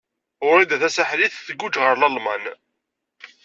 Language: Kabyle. Wrida Tasaḥlit tguǧǧ ɣer Lalman.